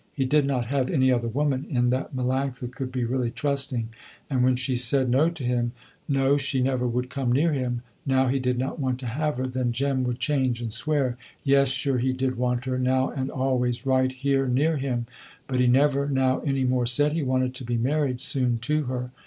He did not have any other woman, in that Melanctha could be really trusting, and when she said no to him, no she never would come near him, now he did not want to have her, then Jem would change and swear, yes sure he did want her, now and always right here near him, but he never now any more said he wanted to be married soon to her.